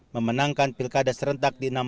memenangkan pilkada serentak di enam belas